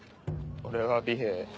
俺は尾平。